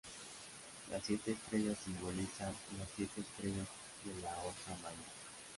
Las siete estrellas simbolizan las siete estrellas de la osa mayor.